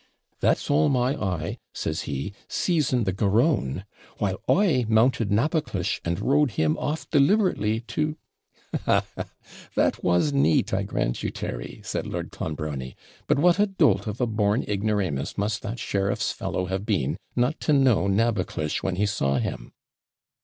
"' "That's all my eye," says he, seizing the garrone, while I mounted Naboclish, and rode him off deliberately to ' 'Ha! ha! ha! That was neat, I grant you, Terry,' said Lord Clonbrony. 'But what a dolt of a born ignoramus must that sheriffs fellow have been, not to know Naboclish when he saw him!'